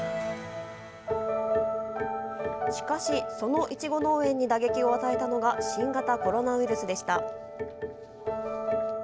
しかし、そのいちご農園に打撃を与えたのが新型コロナウイルスでした。